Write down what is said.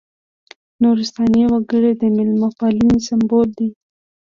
نورستاني وګړي د مېلمه پالنې سمبول دي.